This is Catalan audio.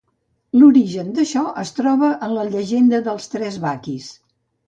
L'origen d'això es troba en la llegenda dels Tres Baquis.